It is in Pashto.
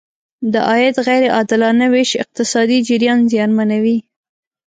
د عاید غیر عادلانه ویش اقتصادي جریان زیانمنوي.